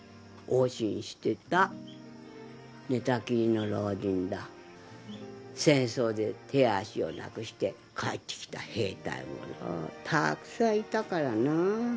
寝たきりの老人だ戦争で手や足を無くして帰ってきた兵隊もよたくさんいたからなあ。